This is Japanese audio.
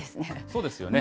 そうですよね。